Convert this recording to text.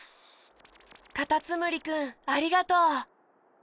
カタツムリくんありがとう！